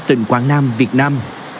tỉnh quảng nam việt nam